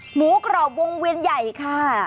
หมูกรอบวงเวียนใหญ่ค่ะ